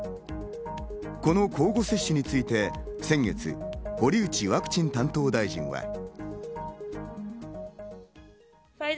この交互接種について先月、堀内ワクチン担当大臣は。